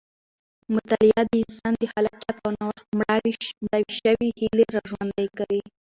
مطالعه د انسان د خلاقیت او نوښت مړاوې شوې هیلې راژوندۍ کوي.